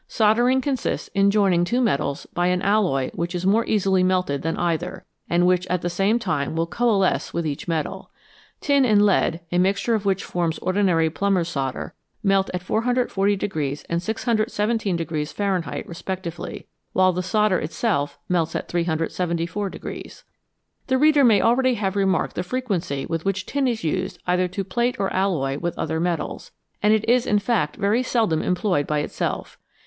Soldering consists in joining two metals by an alloy which is more easily melted than either, and which at the same time will coalesce with each metal. Tin and lead, a mixture of which forms ordinary plumber's solder, melt at 440 and 617 Fahrenheit respectively, while the solder itself melts at 374. The reader may already have remarked the frequency with which tin is used either to plate or alloy with other metals, and it is in fact very seldom employed by itself.